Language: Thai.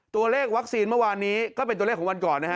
ตัวเลขวัคซีนเมื่อวานนี้ก็เป็นตัวเลขของวันก่อนนะฮะ